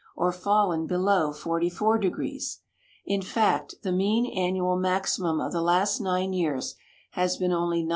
or fallen below 44° ; in fact, the mean annual maxi mum of the last nine years has been only 90.